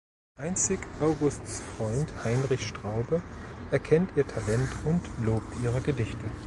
Einzig Augusts Freund Heinrich Straube erkennt ihr Talent und lobt ihre Gedichte.